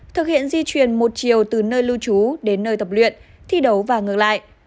thực hiện di chuyển một chiều từ nơi lưu trú đến nơi tập luyện thi đấu và ngược lại